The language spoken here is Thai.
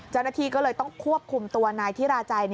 จังห์นาธิก็เลยต้องควบคุมตัวนายธิราชัย